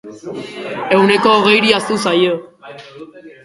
Ehuneko hogeiri ahaztu zaio.